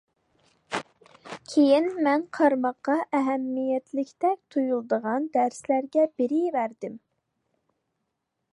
كېيىن مەن قارىماققا ئەھمىيەتلىكتەك تۇيۇلىدىغان دەرسلەرگە بېرىۋەردىم.